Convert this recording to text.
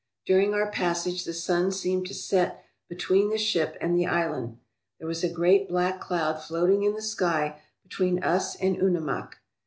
During our passage the sun seemed to set between the ship and the island. There was a great black cloud floating in the sky between us and Unimak.